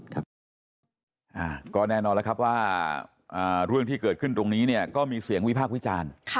ครับก็แน่นอนแล้วครับว่าเรื่องที่เกิดขึ้นตรงนี้เนี่ยก็มีเสียงวิพากษ์วิจารณ์